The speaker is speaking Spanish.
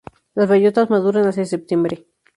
Las bellotas maduran hacia septiembre.